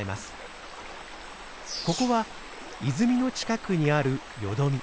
ここは泉の近くにあるよどみ。